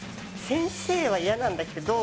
先生は嫌なんだけど。